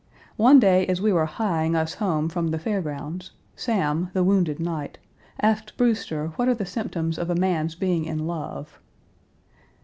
One day as we were hieing us home from the Fair Grounds, Sam, the wounded knight, asked Brewster what are the symptoms of a man's being in love.